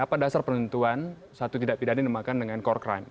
apa dasar penentuan satu tidak pidana dimakan dengan core crime